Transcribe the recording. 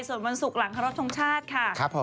ส่วนวันสุขหลังฮอลอสทรงชาติค่ะ